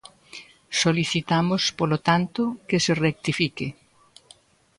Solicitamos, polo tanto, que se rectifique.